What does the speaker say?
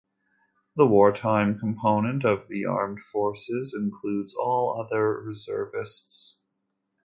The wartime component of the Armed Forces includes all other reservists.